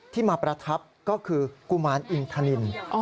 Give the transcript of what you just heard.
ที่มาประทับก็คือกุมารอินทนิน